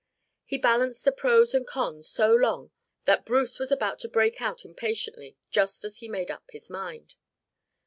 He balanced the pro's and con's so long that Bruce was about to break out impatiently just as he made up his mind.